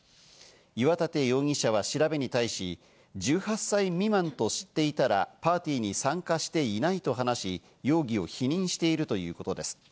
岩立容疑者は調べに対し、１８歳未満と知っていたらパーティーに参加していないと話し、容疑を否認しているということです。